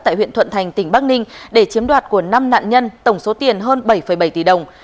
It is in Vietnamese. tại huyện thuận thành tỉnh bắc ninh để chiếm đoạt của năm nạn nhân tổng số tiền hơn bảy bảy tỷ đồng